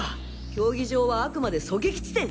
競技場はあくまで狙撃地点！